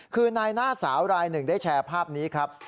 คือนายหน้าสาวรายหนึ่งได้แชร์ภาพนี้ครับ